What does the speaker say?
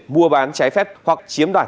mua bán trái phép hoặc chiếm đoạt